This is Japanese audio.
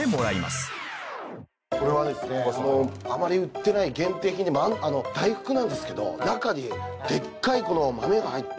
これはですねあまり売ってない限定品で大福なんですけど中にでっかい豆が入ってまして。